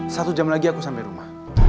satu jam lagi aku sampai rumah